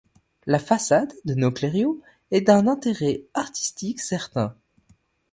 La façade de Nauclerio est d'un intérêt artistique certain.